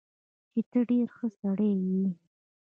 چې تۀ ډېر ښۀ سړے ئې